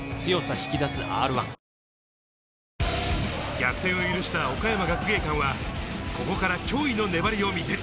逆転を許した岡山学芸館は、ここから驚異の粘りを見せる。